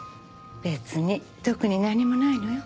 別に特に何もないのよ。